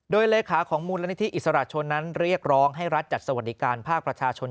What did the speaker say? โดยเลขาของมูลนิธิอิสระชนนั้นเรียกร้องให้รัฐจัดสวัสดิการภาคประชาชน